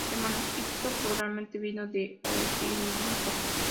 El manuscrito probablemente vino de Oxirrinco.